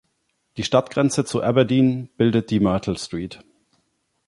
Die Stadtgrenze zu Aberdeen bildet die Myrtle Street.